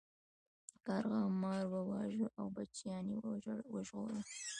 کارغه مار وواژه او بچیان یې وژغورل.